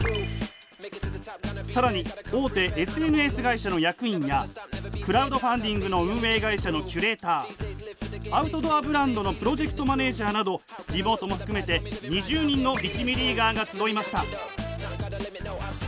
更に大手ＳＮＳ会社の役員やクラウドファンディングの運営会社のキュレーターアウトドアブランドのプロジェクトマネージャーなどリモートも含めて２０人の１ミリーガーが集いました。